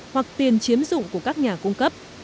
hoặc tiền chiếm dụng của các nhà cung cấp